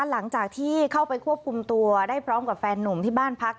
หลังจากที่เข้าไปควบคุมตัวได้พร้อมกับแฟนนุ่มที่บ้านพัก